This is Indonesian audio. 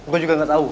gue juga gak tau